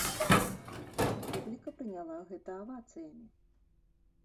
Публіка прыняла гэта авацыямі!